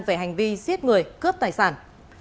về hành vi giết người cướp tài sản